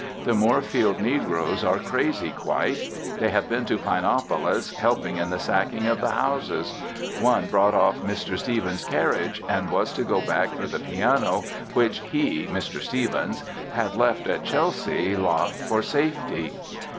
The Moorfield negroes are crazy quite; they have been to Pinopolis, helping in the sacking of the houses. One brought off Mr. Stevens's carriage and was to go back for the piano which he (Mr. Stevens) had left at Chelsea lot for safety.